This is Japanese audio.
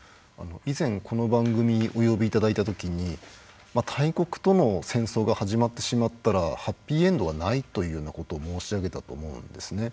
以前この番組にお呼びいただいたときに大国との戦争が始まってしまったらハッピーエンドはないというようなことを申し上げたと思うんですね。